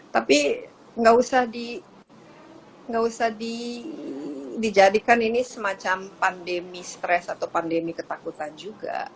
tapi nggak usah dijadikan ini semacam pandemi stres atau pandemi ketakutan juga